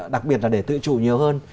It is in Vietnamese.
đặc biệt là để tự chủ nhiều hơn